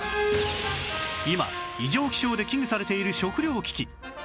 今異常気象で危惧されている食糧危機